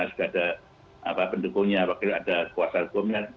sudah ada pendukungnya wakil ada kuasa hukumnya